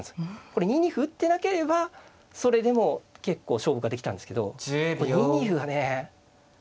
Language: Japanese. これ２二歩打ってなければそれでも結構勝負ができたんですけど２二歩がね